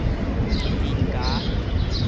鱗芽